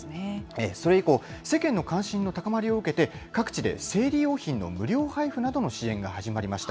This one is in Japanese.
それ以降、世間の関心の高まりを受けて、各地で生理用品の無料配布などの支援が始まりました。